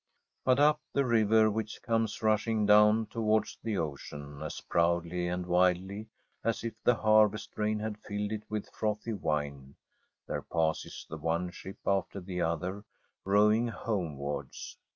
But up the river, which comes rushing down towards the ocean as proudly and wildly as if Frm a SfFEDISH HOMESTEAD the harvest rain had filled it with frothy wine» there passes the one ship after the other, rowing homewards.